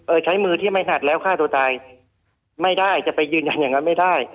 ใช้มือที่ไม่หัดแล้วฆ่าตัวตายไม่ได้จะไปยืนยันอย่างนั้นไม่ได้